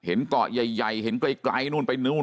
เกาะใหญ่เห็นไกลนู่นไปนู่น